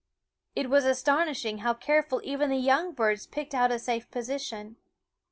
It was astonishing how care fully even the young birds picked out a safe position.